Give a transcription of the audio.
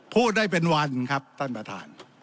พูดได้เป็นวันครับท่านประธาน